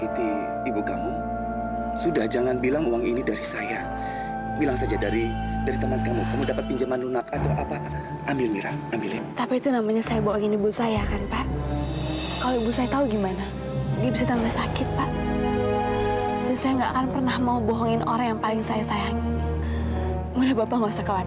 hei jangan berisik kami diperintahkan oleh bu leni untuk menangkap anda